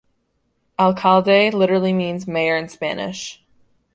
"Alcalde" literally means "Mayor" in Spanish.